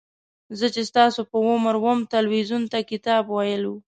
زه چې ستاسو په عمر وم تلویزیون ته کتاب ویلو.